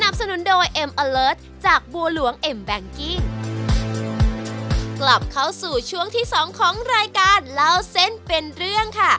กลับเข้าสู่ช่วงที่สองของรายการเล่าเส้นเป็นเรื่องค่ะ